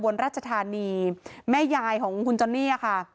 บรรพันธุรกิจกับผู้ตอบสนุนแม่ยายของคุณจนนี่ค่ะ